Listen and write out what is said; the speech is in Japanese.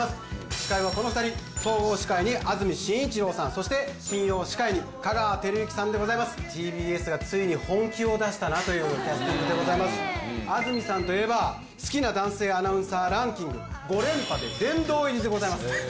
司会はこの２人総合司会に安住紳一郎さんそして金曜司会に香川照之さんでございますというキャスティングでございます安住さんといえば好きな男性アナウンサーランキング５連覇で殿堂入りでございます